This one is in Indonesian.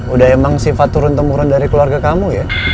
udah emang sifat turun temurun dari keluarga kamu ya